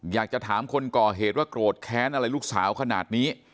อยากจะถามคนก่อเหตุว่าโกรธแค้นอะไรลูกสาวขนาดนี้